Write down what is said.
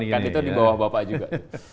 kan itu di bawah bapak juga